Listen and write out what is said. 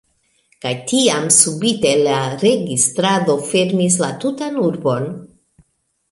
kaj tiam subite la registrado fermis la tutan urbon.